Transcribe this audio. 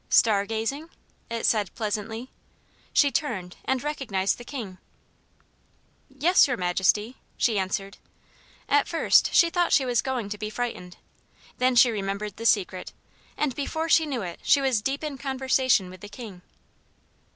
"Star gazing?" it said, pleasantly. She turned, and recognized the King. "Yes, Your Majesty," she answered. At first she thought she was going to be frightened. Then she remembered the Secret, and before she knew it she was deep in conversation with the King.